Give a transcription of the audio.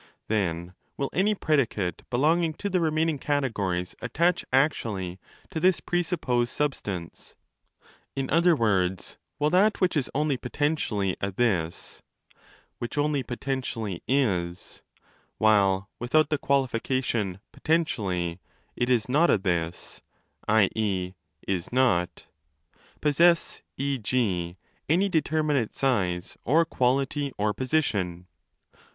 Then will 25 any predicate belonging to the remaining Categories attach actually to this presupposed substance? In other words, will that which is only potentially a 'this' (which only potentially zs), while without the qualification ' potentially ' it is nota 'this' (i.e. zs oz), possess, 6. σ., any determinate size or quality or position?